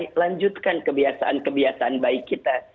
kita lanjutkan kebiasaan kebiasaan baik kita